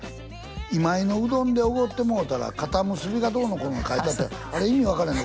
今井のうどんでおごってもろたら固結びがどうのこうのあれ意味が分からへん